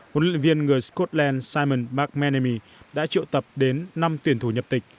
huấn luyện viên người scotland simon mcmahon nermi đã triệu tập đến năm tuyển thủ nhập tịch